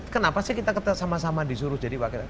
kenapa sih kita sama sama disuruh jadi wakil rakyat